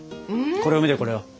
これを見てこれを。